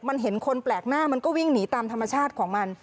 มันเห็นคนแปลกหน้ามันก็วิ่งหนีตามธรรมชาติของมัน